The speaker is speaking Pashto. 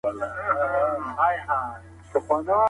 زه د مڼې په خوړلو بوخت یم.